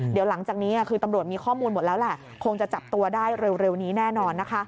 เดี๋ยวหลังจากนี้คือตำรวจมีข้อมูลหมดแล้วแหละคงจะจับตัวได้เร็วนี้แน่นอนนะคะ